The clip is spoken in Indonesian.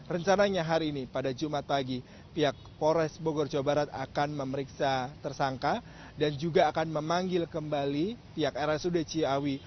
rencananya hari ini pada jumat pagi pihak polres bogor jawa barat akan memeriksa tersangka dan juga akan memanggil kembali pihak rsud ciawi